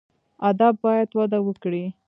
ادب باید وده وکړي